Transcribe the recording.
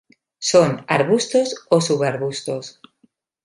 Son arbustos o subarbustos.